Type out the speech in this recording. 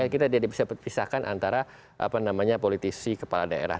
kita tidak bisa pisahkan antara politisi kepala daerah